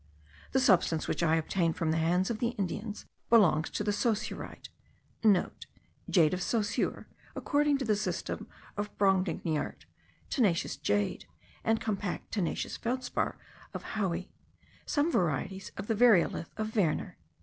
The substance which I obtained from the hands of the Indians, belongs to the saussurite,* (* Jade of Saussure, according to the system of Brongniart; tenacious jade, and compact tenacious feldspar of Hauy; some varieties of the variolithe of Werner.)